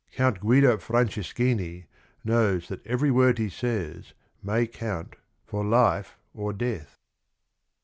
Count Guido Franceschini knows that every word he says may count for life or death.